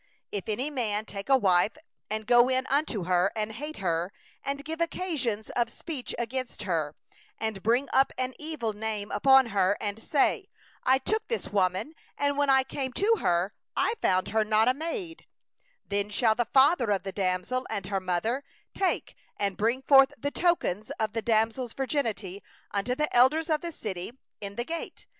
13If any man take a wife, and go in unto her, and hate her, 14and lay wanton charges against her, and bring up an evil name upon her, and say: 'I took this woman, and when I came nigh to her, I found not in her the tokens of virginity'; 15then shall the father of the damsel, and her mother, take and bring forth the tokens of the damsel's virginity unto the elders of the city in the gate.